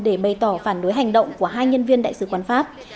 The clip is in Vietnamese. để bày tỏ phản đối hành động của hai nhân viên đại sứ quán pháp